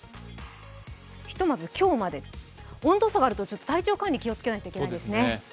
ひとまず、今日まで温度差があると体調管理気をつけないといけないですね。